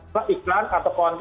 kek iklan atau konten